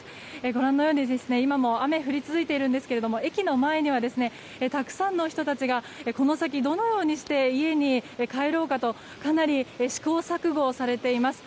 ご覧のように今も雨が降り続いているんですが駅の前には、たくさんの人たちがこの先どのようにして家に帰ろうかとかなり試行錯誤されています。